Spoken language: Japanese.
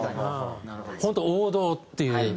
本当王道っていう。